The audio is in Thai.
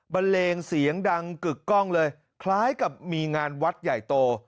เลงเสียงดังกึกกล้องเลยคล้ายกับมีงานวัดใหญ่โต